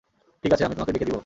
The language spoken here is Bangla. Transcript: ঠিক আছে, আমি তোমাকে ডেকে দিব।